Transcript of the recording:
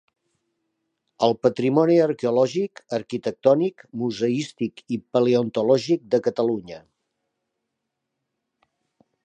El patrimoni arqueològic, arquitectònic, museístic i paleontològic de Catalunya.